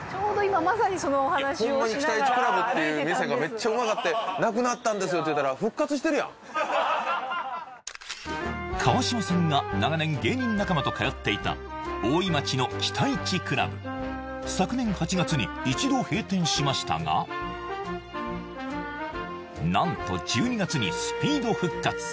まさにホンマに北一倶楽部っていう店がめっちゃうまかってなくなったんですよって言ったら川島さんが長年芸人仲間と通っていた大井町の北一倶楽部昨年８月に一度閉店しましたが何と１２月にスピード復活